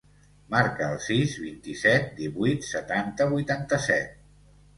Marca el sis, vint-i-set, divuit, setanta, vuitanta-set.